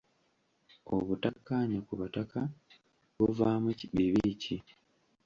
Obutakkaanya ku bataka buvaamu bibi ki?